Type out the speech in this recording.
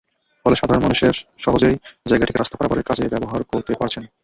ফলে সাধারণ মানুষ সহজেই জায়গাটিকে রাস্তা পারাপারের কাজে ব্যবহার করতে পারছেন।